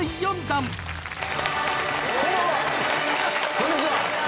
こんにちは！